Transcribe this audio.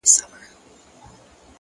صبر د لویو بریاوو قیمت دی؛